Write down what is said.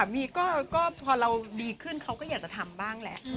อันนี้เป็นหน้าเรามีครับพอเราดีขึ้นเขาก็อยากถามบ้างแหละ